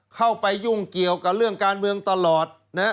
เข้าไปยุ่งเกี่ยวกับเรื่องการเมืองตลอดนะฮะ